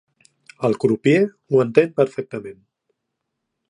El crupier ho entén perfectament.